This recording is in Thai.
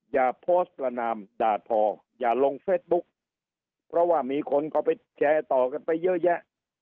ก็เลยขออย่าลงเฟสบุ๊คเพราะว่ามีคนก็ไปแชร์ต่อกันไปเยอะแยะ